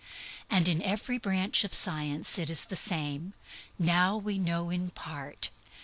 And in every branch of science it is the same. "Now we know in part.